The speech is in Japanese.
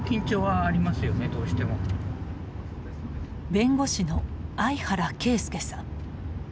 弁護士の相原啓介さん。